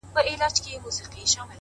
د پنجشنبې په ورځ ځاښت